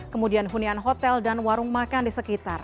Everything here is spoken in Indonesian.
kemudian hunian hotel dan warung makan di sekitar